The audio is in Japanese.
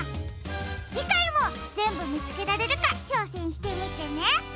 じかいもぜんぶみつけられるかちょうせんしてみてね！